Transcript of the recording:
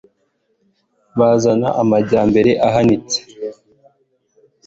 bazana amajyambere ahanitse